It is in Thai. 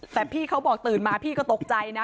แต่พี่เขาบอกตื่นมาพี่ก็ตกใจนะ